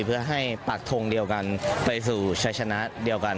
เพื่อให้ปากทงเดียวกันไปสู่ชัยชนะเดียวกัน